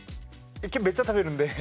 けど、めっちゃ食べるので。